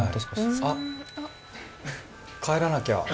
あっ帰らなきゃ。